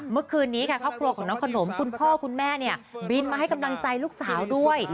เมื่อคืนนี้ค่ะครอบครัวของน้องขนมคุณพ่อคุณแม่เนี่ยบินมาให้กำลังใจลูกสาวด้วย